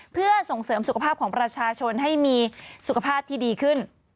เพื่อส่งเสริมสุขภาพของประชาชนให้มีสุขภาพที่ดีขึ้น